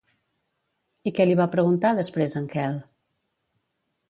I què li va preguntar després en Quel?